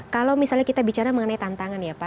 kalau misalnya kita bicara mengenai tantangan ya pak